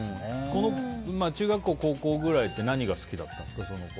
中学校、高校くらいって何が好きだったんですか。